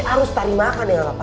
harus tari makan dengan apa